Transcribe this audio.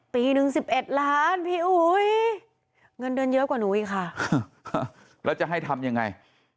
ปีหนึ่ง๑๑ล้านพี่อุ๋ยเงินเดือนเยอะกว่าหนูอีกค่ะแล้วจะให้ทำยังไง